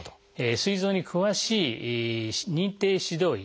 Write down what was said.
すい臓に詳しい認定指導医